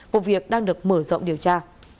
một việc đang được mở rộng điều tra